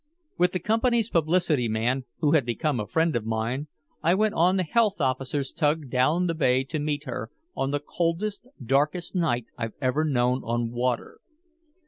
With the company's publicity man, who had become a friend of mine, I went on the health officer's tug down the Bay to meet her, on the coldest, darkest night I've ever known on water.